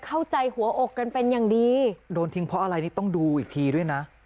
เข้าใจหัวอกกันเป็นอย่างดีโดนทิ้งเพราะอะไรนี่ต้องดูอีกทีด้วยนะ